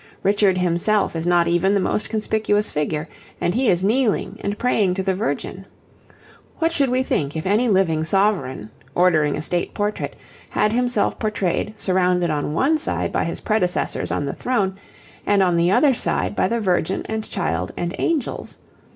Richard himself is not even the most conspicuous figure; and he is kneeling and praying to the Virgin. What should we think if any living sovereign, ordering a state portrait, had himself portrayed surrounded on one side by his predecessors on the throne, and on the other side by the Virgin and Child and angels?